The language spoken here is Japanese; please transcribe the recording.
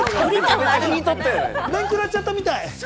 面食らっちゃったみたい。